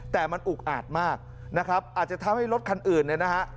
แต่มันอุกอาจมากนะครับอาจจะทำให้รถคันอื่นเนี่ยนะฮะ